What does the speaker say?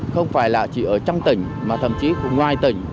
không phải là chỉ ở trong tỉnh mà thậm chí ngoài tỉnh